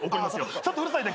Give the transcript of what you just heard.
ちょっとうるさいでっか？